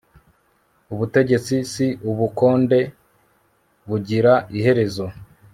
ubutegetsi si ubukonde bugira iherezo